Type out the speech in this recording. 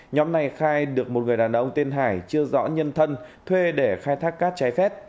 nhóm này khai được một người đàn ông tên hải chưa rõ nhân thân thuê để khai thác cát trái phép